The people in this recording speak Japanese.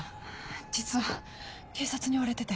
実は警察に追われてて。